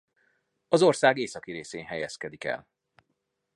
Az ország északi részén helyezkedik el.